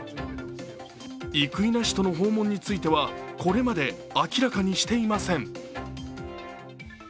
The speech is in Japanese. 生稲の訪問訪問についてはこまで明らかにしていません。